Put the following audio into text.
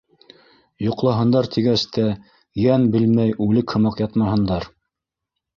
Йоҡлаһындар тигәс тә, йән белмәй үлек һымаҡ ятмаһындар!